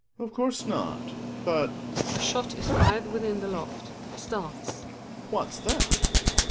Of course not But (^ shot is \fired within the loft, he starts.) What's that